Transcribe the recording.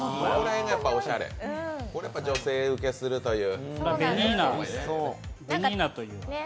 これ、やっぱ女性受けするという。